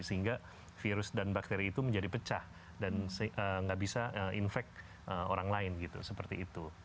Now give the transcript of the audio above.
sehingga virus dan bakteri itu menjadi pecah dan nggak bisa infek orang lain gitu seperti itu